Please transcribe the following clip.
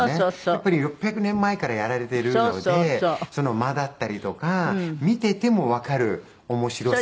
やっぱり６００年前からやられてるので間だったりとか見ててもわかる面白さ。